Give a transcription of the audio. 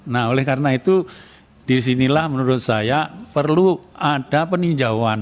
nah oleh karena itu disinilah menurut saya perlu ada peninjauan